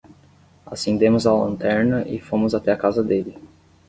Acendemos a lanterna e fomos até a casa dele.